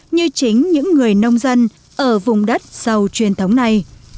như chính những người nông dân ở vùng đất sâu truyền thống này